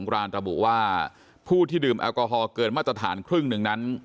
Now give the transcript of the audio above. รานระบุว่าผู้ที่ดื่มแอลกอฮอลเกินมาตรฐานครึ่งหนึ่งนั้น